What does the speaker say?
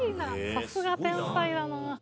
さすが天才だな。